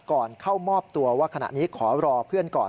ก่อนเข้ามอบตัวว่าขณะนี้ขอรอเพื่อนก่อน